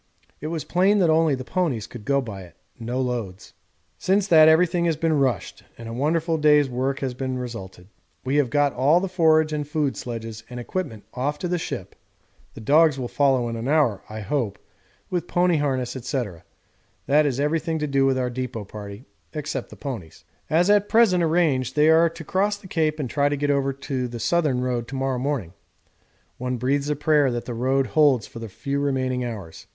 It was plain that only the ponies could go by it no loads. Since that everything has been rushed and a wonderful day's work has resulted; we have got all the forage and food sledges and equipment off to the ship the dogs will follow in an hour, I hope, with pony harness, &c., that is everything to do with our depôt party, except the ponies. As at present arranged they are to cross the Cape and try to get over the Southern Road to morrow morning. One breathes a prayer that the Road holds for the few remaining hours.